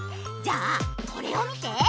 じゃあこれを見て！